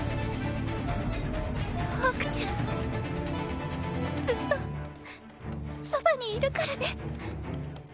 ホークちゃんずっとそばにいるからね。